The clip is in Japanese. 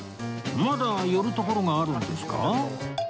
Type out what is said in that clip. まだ寄る所があるんですか？